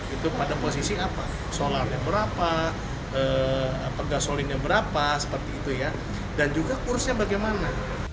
itu pada posisi apa solarnya berapa gasolinnya berapa seperti itu ya dan juga kursnya bagaimana